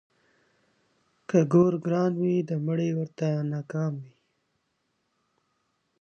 ـ که ګور ګران وي د مړي ورته نه کام وي.